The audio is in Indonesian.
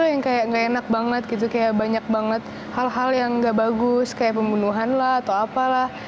hari hari ngeliat news tuh yang kayak gak enak banget gitu kayak banyak banget hal hal yang gak bagus kayak pembunuhan lah atau apalah